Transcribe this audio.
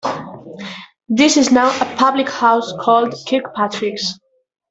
This is now a public house called Kirkpatricks.